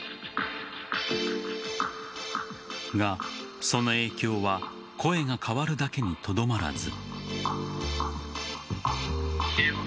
が、その影響は声が変わるだけにとどまらず。